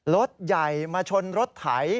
รถใหญ่มาชนรถไถ